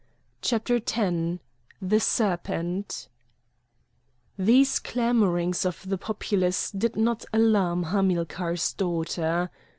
CHAPTER X THE SERPENT These clamourings of the populace did not alarm Hamilcar's daughter.